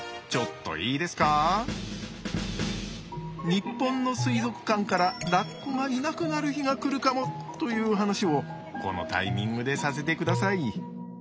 日本の水族館からラッコがいなくなる日が来るかもという話をこのタイミングでさせてください。